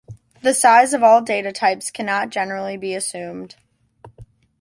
The size of all data types cannot generally be assumed.